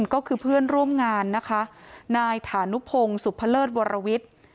ก็คือเพื่อนร่วมงานนะคะนายฐานุพงศ์สุภเลิศวรวิทย์